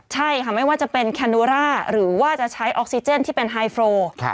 ใช่ค่ะไม่ว่าจะเป็นแคโนร่าหรือว่าจะใช้ออกซิเจนที่เป็นไฮโฟร์